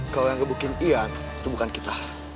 kalau yang gebukin ian itu bukan kita